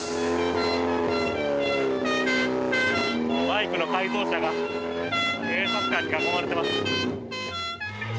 バイクの改造車が警察官に囲まれています。